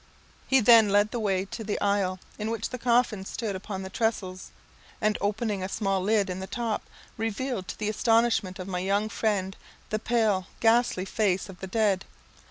He then led the way to the aisle, in which the coffin stood upon the tressels, and opening a small lid in the top, revealed to the astonishment of my young friend the pale, ghastly face of the dead.